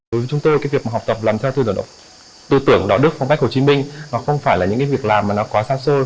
đối với chúng tôi việc học tập làm theo tư tưởng đạo đức phong cách hồ chí minh không phải là những việc làm quá xa xôi